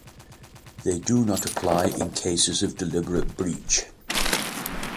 They do not apply in cases of deliberate breach.